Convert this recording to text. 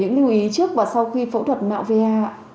những lưu ý trước và sau khi phẫu thuật nạo va